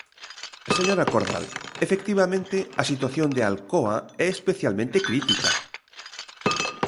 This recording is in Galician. Señora Cordal, efectivamente, a situación de Alcoa é especialmente crítica.